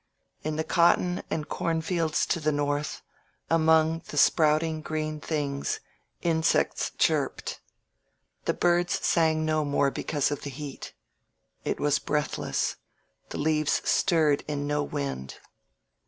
In the cotton and cornfields to the north, among the sprouting green things, insects chirped. The birds sang no more because of the heat. It was breathless. The leaves stirred in no wind.